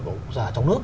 của quốc gia trong nước